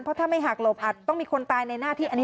เพราะถ้าไม่หักหลบอาจต้องมีคนตายในหน้าที่อันนี้